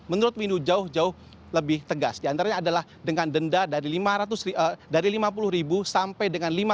menurut windu jauh jauh lebih tegas diantaranya adalah dengan denda dari lima puluh ribu sampai dengan